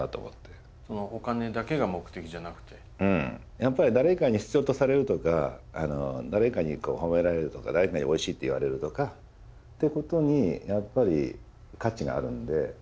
やっぱり誰かに必要とされるとか誰かに褒められるとか誰かに「おいしい」って言われるとかってことにやっぱり価値があるんで。